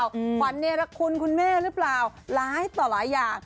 ขวัญเนรคุณคุณแม่หรือเปล่าหลายต่อหลายอย่าง